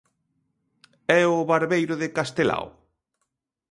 E O Barbeiro de Castelao?